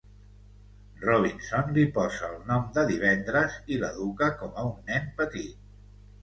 Robinson li posa el nom de Divendres i l'educa com a un nen petit.